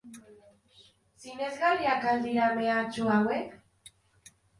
Sinesgarriak al dira mehatxu hauek?